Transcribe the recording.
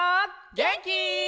げんき？